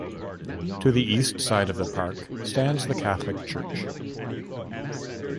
To the east side of the park stands the Catholic church.